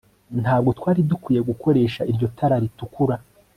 ntabwo twari dukwiye gukoresha iryo tara ritukura